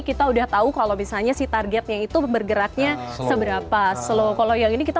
kita udah tahu kalau misalnya sih targetnya itu bergeraknya seberapa slow kalau yang ini kita